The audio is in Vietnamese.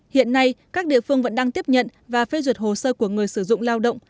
hiện nay các địa phương vẫn đang tiếp nhận và phê duyệt hồ sơ của người sử dụng lao động